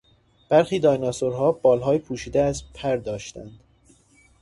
برخی دایناسورها بالهای پوشیده از پر داشتند.